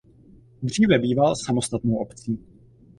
Dříve býval samostatnou obcí.